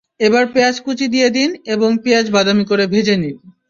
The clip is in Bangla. এবার পেঁয়াজ কুচি দিয়ে দিন এবং পেয়াজ বাদামি করে ভেজে নিন।